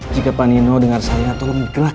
jika pak ino dengar saya tolong dikenalkan